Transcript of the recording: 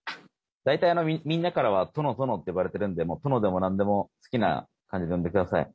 大体みんなからはトノトノって呼ばれてるんでトノでも何でも好きな感じで呼んで下さい。